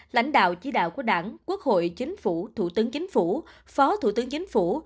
lãnh đạo chỉ đạo của đảng quốc hội chính phủ thủ tướng chính phủ phó thủ tướng chính phủ